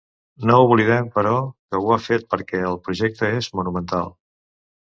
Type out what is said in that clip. No oblidem, però, que ho ha fet perquè el projecte és monumental.